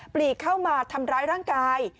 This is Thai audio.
ปลีกเข้ามาทำร้ายร่างกาย